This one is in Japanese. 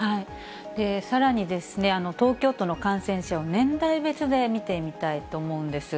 さらに、東京都の感染者を年代別で見てみたいと思うんです。